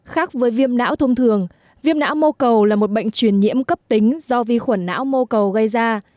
khác với viêm não thông thường viêm não mô cầu là một bệnh truyền nhiễm cấp tính do vi khuẩn não mô cầu gây ra